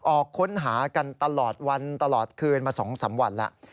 ออกค้นหากันตลอดวันตลอดคืนมา๒๓วันแล้ว